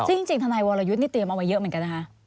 ซึ่งจริงทนายวรยุทธ์นี่เตรียมเอาไว้เยอะเหมือนกันนะคะ